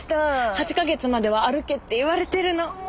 ８か月までは歩けって言われてるの！